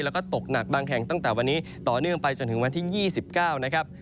แล้วก็ตกหนักบางแห่งตั้งแต่วันนี้ต่อเนื่องไปจนถึงวันที่๒๙นะครับ